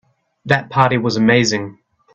That party was amazing.